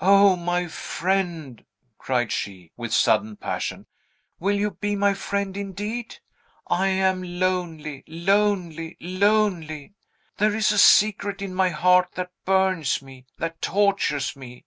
"O, my friend," cried she, with sudden passion, "will you be my friend indeed? I am lonely, lonely, lonely! There is a secret in my heart that burns me, that tortures me!